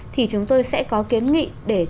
thì chúng tôi sẽ có kiến nghị